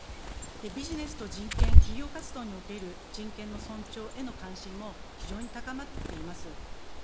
ビジネスと人権、企業活動における人権の尊重への関心も非常に高まっています。